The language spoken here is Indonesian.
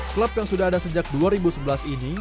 klub yang sudah ada sejak dua ribu sebelas ini